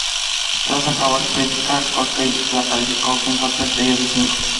Tras acabar su crítica, Copsey la calificó con cuatro estrellas de cinco.